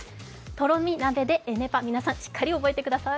とろみ鍋でエネパ、皆さん、しっかり覚えてください。